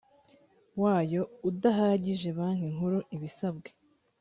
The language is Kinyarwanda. wayo udahagije banki nkuru ibisabwe